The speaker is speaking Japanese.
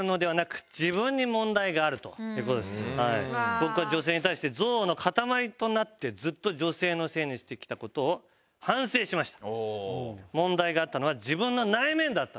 僕は女性に対して憎悪の塊となってずっと女性のせいにしてきた事を反省しました。